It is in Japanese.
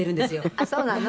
「ああそうなの？」